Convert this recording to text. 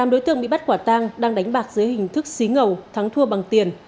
tám đối tượng bị bắt quả tang đang đánh bạc dưới hình thức xí ngầu thắng thua bằng tiền